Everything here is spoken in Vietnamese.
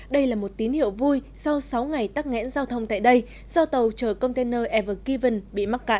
đây là một tín hiệu vui sau sáu ngày tắt ngẽn giao thông tại đây do tàu chở container ever given bị mắc cạn